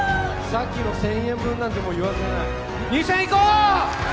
さっきの１０００円分なんてもう言わせない２０００いこう！